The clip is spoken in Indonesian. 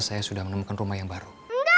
saya sudah menemukan rumah yang baru